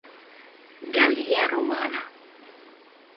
Gallia romana.